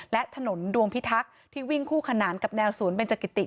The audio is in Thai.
และถนนดวงพิทักษ์ที่วิ่งคู่ขนานกับแนวศูนย์เบนจักิติ